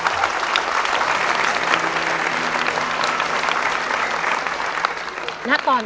ขอบคุณครับ